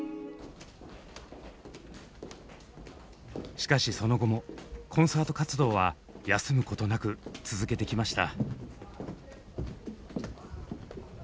しかしその後もコンサート活動は休むことなく続けてきました。